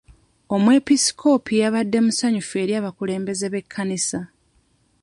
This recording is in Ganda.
Omwepisikoopi yabadde musanyufu eri abakulembeze b'ekkanisa.